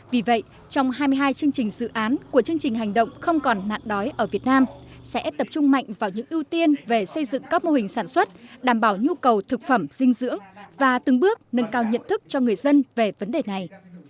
vì vậy trong hai mươi hai chương trình dự án của chương trình hành động không còn nạn đói ở việt nam sẽ tập trung mạnh vào những ưu tiên về xây dựng các mô hình sản xuất đảm bảo nhu cầu thực phẩm dinh dưỡng và từng bước nâng cao nhận thức cho người dân về vấn đề này